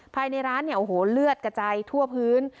ภายในร้านเนี่ยโอ้โหเลือดกระจายทั่วพื้น